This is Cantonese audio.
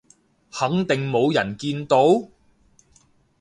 肯定冇人見到？